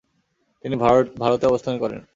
তিনি ভারতে অবস্থান করেন।